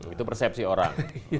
itu persepsi orang